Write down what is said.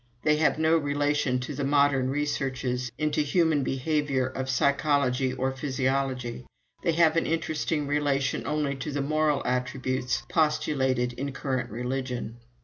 They have no relation to the modern researches into human behavior of psychology or physiology. They have an interesting relation only to the moral attributes postulated in current religion.